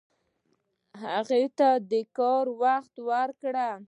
هغه دې کار ته وخت ورکړ.